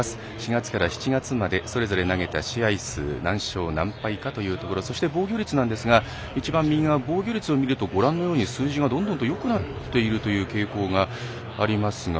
４月から７月までそれぞれ投げた試合数何勝何敗かというところそして防御率なんですが防御率を見ると、数字がどんどんとよくなっているという傾向がありますが、